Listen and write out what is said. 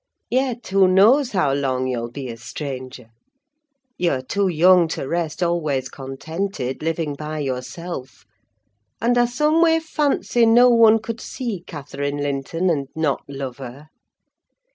Yet, who knows how long you'll be a stranger? You're too young to rest always contented, living by yourself; and I some way fancy no one could see Catherine Linton and not love her.